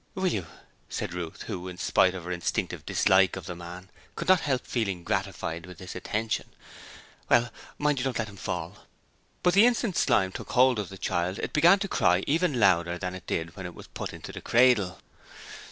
'Will you?' said Ruth, who, in spite of her instinctive dislike of the man, could not help feeling gratified with this attention. 'Well, mind you don't let him fall.' But the instant Slyme took hold of the child it began to cry even louder than it did when it was put into the cradle.